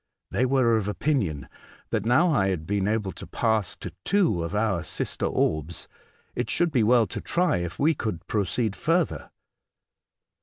They were of opinion that now I had been able to pass to two of our sister orbs, it would be well to try if we could proceed further.